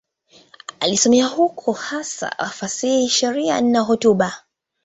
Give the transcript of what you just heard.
Alisomea huko, hasa fasihi, sheria na hotuba.